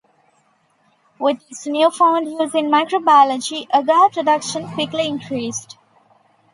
With its newfound use in microbiology, agar production quickly increased.